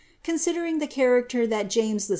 Considering the character that James VI.